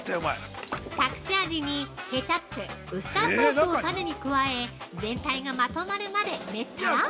◆隠し味にケチャップ、ウスターソースをタネに加え全体がまとまるまで練ったら◆